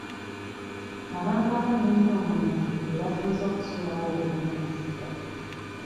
Abantu abanywa ennyo omwenge be basinze okusuulawo obuvunaanyizibwa.